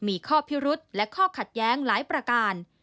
มีข้อพิรุษและข้อขัดแย้งหลายประการ